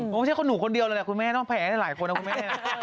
ไม่ใช่คนหนูคนเดียวเลยแหละคุณแม่ต้องแผลให้หลายคนนะคุณแม่